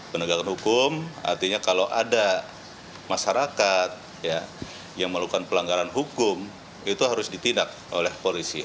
penegakan hukum artinya kalau ada masyarakat yang melakukan pelanggaran hukum itu harus ditindak oleh polisi